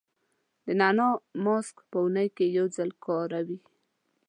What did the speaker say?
د نعناع ماسک په اونۍ کې یو ځل وکاروئ.